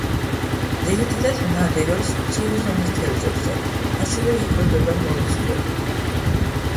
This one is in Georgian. ძირითადად ნადირობს მცირე ზომის თევზებზე, ასევე იკვებება მოლუსკებით.